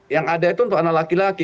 yang ada itu untuk anak laki laki